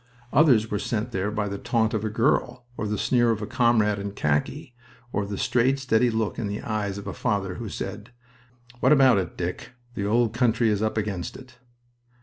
Others were sent there by the taunt of a girl, or the sneer of a comrade in khaki, or the straight, steady look in the eyes of a father who said, "What about it, Dick?... The old country is up against it."